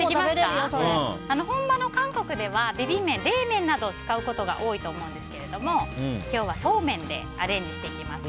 本場の韓国では、ビビン麺は冷麺などを使うことが多いと思うんですが今日はそうめんでアレンジしていきます。